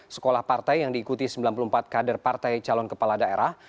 sekolah partai yang diikuti sembilan puluh empat kader partai calon kepala daerah